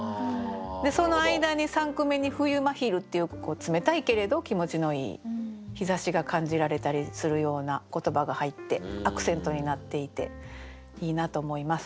でその間に三句目に「冬真昼」っていう冷たいけれど気持ちのいい日ざしが感じられたりするような言葉が入ってアクセントになっていていいなと思います。